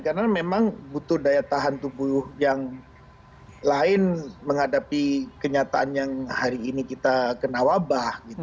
karena memang butuh daya tahan tubuh yang lain menghadapi kenyataan yang hari ini kita kena wabah gitu